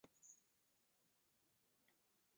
钱不是问题，问题就是没有钱